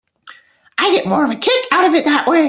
I get more of a kick out of it that way.